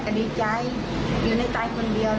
ทำไมตายจนไหน